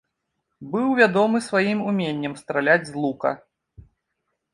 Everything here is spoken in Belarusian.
Быў вядомы сваім уменнем страляць з лука.